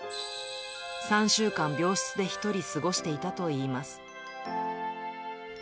３週間、病室で一人過ごしていたといいます。